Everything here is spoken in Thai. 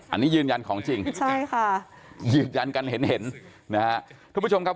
อันนี้ยืนยันของจริงใช่ค่ะยืนยันกันเห็นเห็นนะฮะทุกผู้ชมครับ